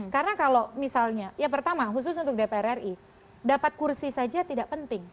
karena kalau misalnya ya pertama khusus untuk dpr ri dapat kursi saja tidak penting